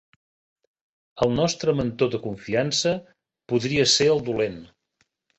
El nostre mentor de confiança podria ser el dolent.